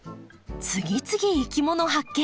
次々いきもの発見！